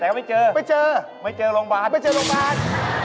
แล้วไม่เจอไม่เจอไม่เจอโรงพยาบาลไม่เจอโรงพยาบาล